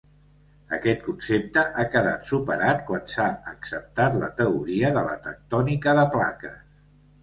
Aquest concepte ha quedat superat quan s'ha acceptat la teoria de la tectònica de plaques.